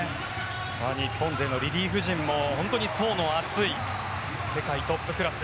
日本勢のリリーフ陣も本当に層の厚い世界トップクラス。